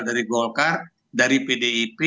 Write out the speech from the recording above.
dari golkar dari pdip